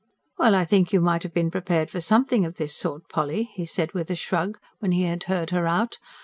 "Well, I think you might have been prepared for something of this sort, Polly," he said with a shrug, when he had heard her out.